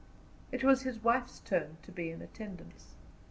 It was his wife's turn to be in attendance.